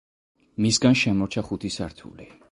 მისგან შემორჩა ხუთი სართული.